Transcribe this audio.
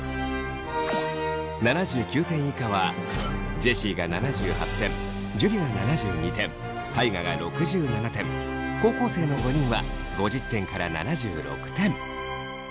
７９点以下はジェシーが７８点樹が７２点大我が６７点高校生の５人は５０点から７６点。